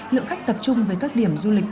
lượng khách tập trung với các điểm du lịch